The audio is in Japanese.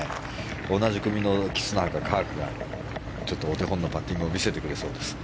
同じ組のキスナーとカークがちょっとお手本のパッティングを見せてくれそうです。